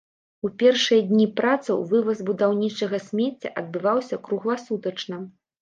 У першыя дні працаў вываз будаўнічага смецця адбываўся кругласутачна.